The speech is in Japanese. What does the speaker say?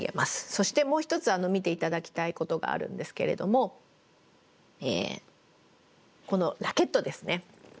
そしてもう一つ見て頂きたいことがあるんですけれどもこのラケットですね。